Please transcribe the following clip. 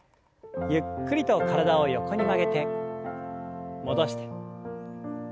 ゆっくりと体を横に曲げて戻して。